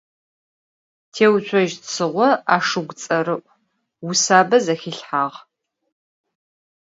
Têutsoj Tsığo aşşug ts'erı'u, vusabe zexilhhağ.